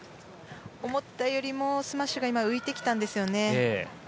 思ったよりもスマッシュが浮いてきたんですよね。